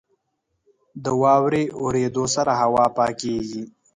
• د واورې اورېدو سره هوا پاکېږي.